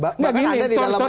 bukan ada di dalamnya atau